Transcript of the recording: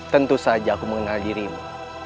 tentu saja aku mengenal dirimu